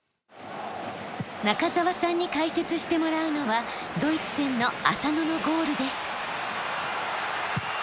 中澤さんに解説してもらうのはドイツ戦の浅野のゴールです。